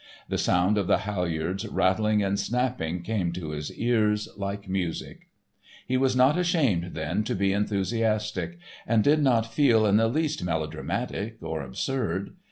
The sound of the halyards rattling and snapping came to his ears like music. He was not ashamed then to be enthusiastic, and did not feel in the least melodramatic or absurd.